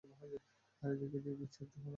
আর একদিক দিয়া বিচার কর।